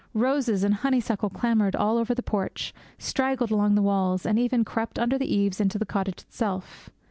Roses and honeysuckle clambered all over the porch, straggled along the walls, and even crept under the eaves into the cottage itself.